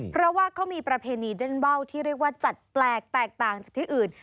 เพราะว่าเขามีประเพณีเด้นว่าวที่เรียกว่าจัดแปลกแตกต่างจากที่อื่น